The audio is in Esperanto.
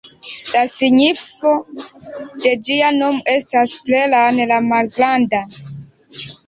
La signifo de ĝia nomo estas "Plelan"-la-malgranda.